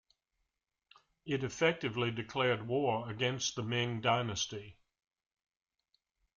It effectively declared war against the Ming dynasty.